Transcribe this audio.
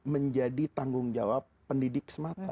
menjadi tanggung jawab pendidik